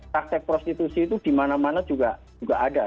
praktek prostitusi itu dimana mana juga ada